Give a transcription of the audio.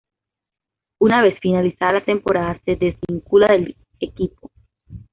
Una vez finalizada la temporada, se desvincula del equipo.